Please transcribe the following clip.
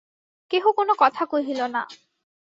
কেহ কোনো কথা কহিল না।